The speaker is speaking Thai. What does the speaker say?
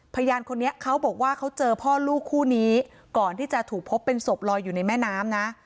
พยานคนนี้เขาบอกว่าเขาเจอพ่อลูกคู่นี้ก่อนที่จะถูกพบเป็นศพลอยอยู่ในแม่น้ำนะ